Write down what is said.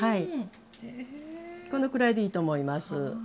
このくらいでいいと思います。